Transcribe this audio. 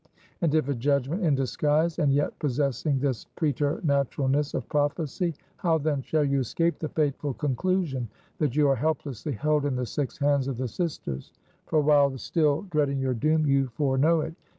And if a judgment in disguise, and yet possessing this preternaturalness of prophecy, how then shall you escape the fateful conclusion, that you are helplessly held in the six hands of the Sisters? For while still dreading your doom, you foreknow it.